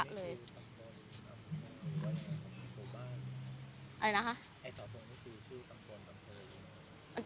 อันนี้ชื่อตำควรตำควรตำควรบ้าน